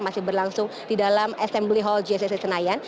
masih berlangsung di dalam assembly hall jcc senayan